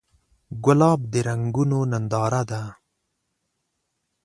ګلاب د رنګونو ننداره ده.